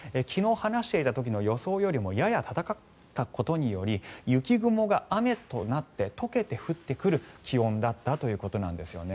昨日話していた時の予想よりもやや高かったことにより雪雲が雨となって解けて降ってくる気温だったということです。